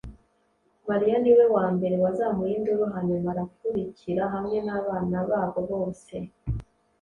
maria niwe wambere wazamuye induru, hanyuma arakurikira hamwe nabana babo bose